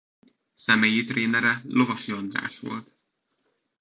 Személyi trénere Lovasi András volt.